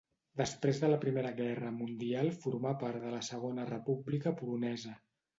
Després de la Primera Guerra Mundial formà part de la Segona República Polonesa.